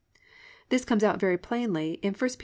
This comes out very plainly in 1 Pet.